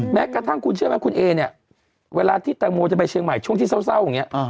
แม้กระทั่งคุณเชื่อไหมคุณเอเนี่ยเวลาที่แตงโมจะไปเชียงใหม่ช่วงที่เศร้าอย่างนี้